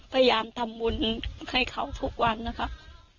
พยายามทำบุญให้เขาทุกวันนะคะ